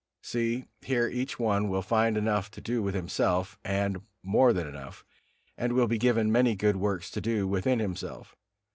See, here each one will find enough to do with himself, and more than enough, and will be given many good works to do within himself.